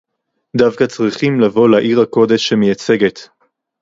דווקא צריכים לבוא לעיר הקודש שמייצגת